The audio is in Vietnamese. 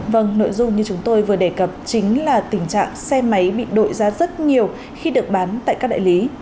vâng nội dung như chúng tôi vừa đề cập chính là tình trạng xe máy bị đội ra rất nhiều khi được bán tại các đại lý